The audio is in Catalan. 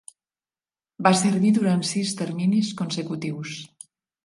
Va servir durant sis terminis consecutius.